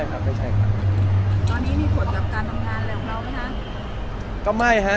พี่พอร์ตทานสาวใหม่พี่พอร์ตทานสาวใหม่